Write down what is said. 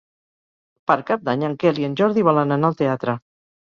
Per Cap d'Any en Quel i en Jordi volen anar al teatre.